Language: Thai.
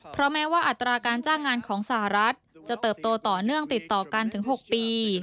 เพราะแม้ว่าอัตราการจ้างงานของสหรัฐจะเติบโตต่อเนื่องติดต่อกันถึง๖ปี